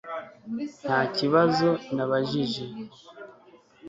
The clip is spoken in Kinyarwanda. Nta kibazo nabajije